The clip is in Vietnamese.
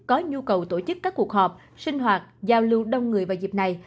có nhu cầu tổ chức các cuộc họp sinh hoạt giao lưu đông người vào dịp này